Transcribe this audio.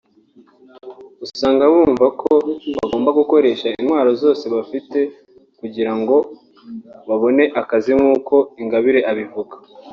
usanga bumva ko bagomba gukoresha intwaro zose bafite kugira ngo babone akazi nk’uko Ingabire abivuga